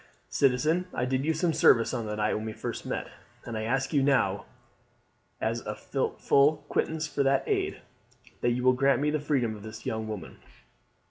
Citizen, I did you some service on the night when we first met; and I ask you now, as a full quittance for that aid, that you will grant me the freedom of this young woman.